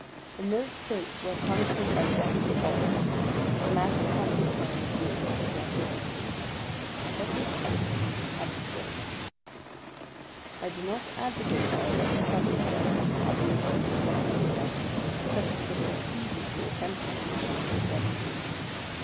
In those States where punishment by death is abolished, the mass of capital crime has yearly a progressive decrease. Let this fact have its weight. I do not advocate, however, a sudden and complete abolition of the penalty of death, such as was so heedlessly attempted in the Chamber of Deputies.